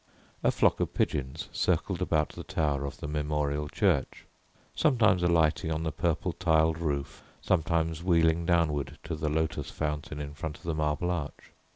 A flock of pigeons circled about the tower of the Memorial Church; sometimes alighting on the purple tiled roof, sometimes wheeling downward to the lotos fountain in front of the marble arch.